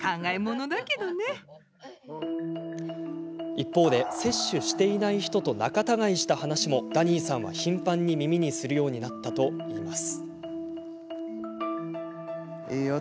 一方で、接種していない人と仲たがいした話もダニーさんは頻繁に耳にするようになったといいます。